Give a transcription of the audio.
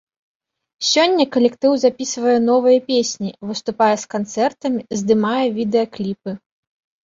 Сёння калектыў запісвае новыя песні, выступае з канцэртамі, здымае відэакліпы.